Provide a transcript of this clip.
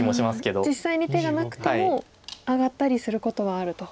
実際に手がなくても上がったりすることはあると。